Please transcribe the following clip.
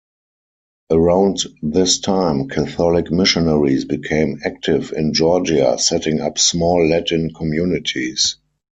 Around this time, Catholic missionaries became active in Georgia, setting up small Latin communities.